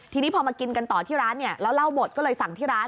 ทีนี้พอมากินกันต่อที่ร้านเนี่ยแล้วเหล้าหมดก็เลยสั่งที่ร้าน